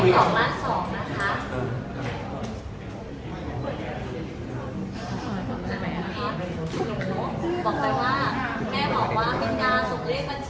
ก็คือ๒ล้าน๒ค่ะ